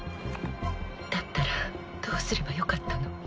だったらどうすればよかったの？